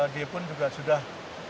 dia pun juga sudah